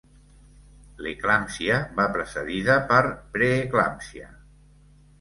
L'eclàmpsia va precedida per preeclàmpsia.